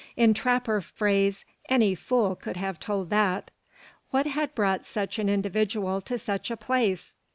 In trapper phrase, any fool could have told that. What had brought such an individual to such a place?